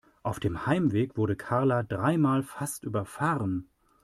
Auf dem Heimweg wurde Karla dreimal fast überfahren.